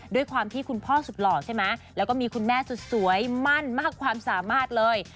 ด้วยความที่คุณพ่อสุดหล่อใช่ไหมแล้วก็มีคุณแม่สุดสวยมั่นมากความสามารถเลย